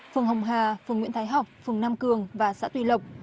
phường hồng hà phường nguyễn thái học phường nam cường và xã tùy lộc